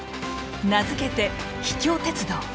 名付けて「秘境鉄道」。